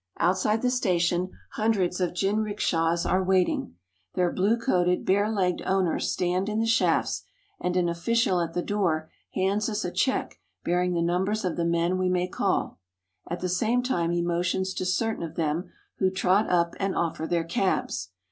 Outside the station hundreds of jinrikishas are waiting. Their blue coated, bare legged owners stand in the shafts, and an official at the door hands us a cheek bearing the numbers of the men we may call. At the same time he motions to certain of them, who trot up and offer their cabs.